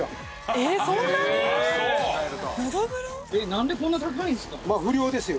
なんでこんな高いんですか？